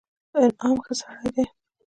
انعام ښه سړى دئ.